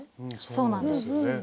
そうなんです。